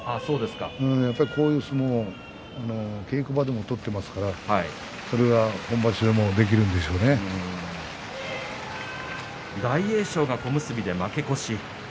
やっぱり、こういう相撲稽古場でも取ってますからそれが本場所でも大栄翔が小結で負け越し。